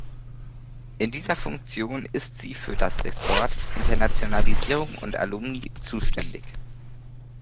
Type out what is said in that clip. In dieser Funktion ist sie für das Ressort „Internationalisierung und Alumni“ zuständig.